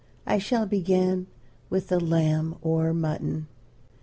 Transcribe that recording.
I shall begin with the lamb or mutton.